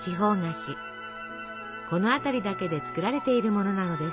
この辺りだけで作られているものなのです。